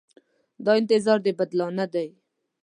دا انتظار د بدلانه دی.